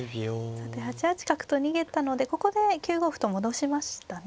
さて８八角と逃げたのでここで９五歩と戻しましたね。